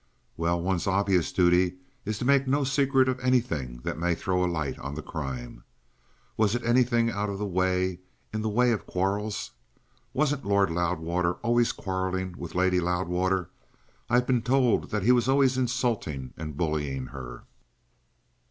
"Well, one's obvious duty is to make no secret of anything that may throw a light on the crime. Was it anything out of the way in the way of quarrels? Wasn't Lord Loudwater always quarrelling with Lady Loudwater? I've been told that he was always insulting and bullying her."